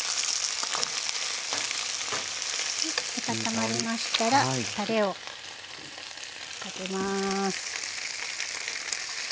温まりましたらたれをかけます。